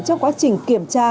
trong quá trình kiểm tra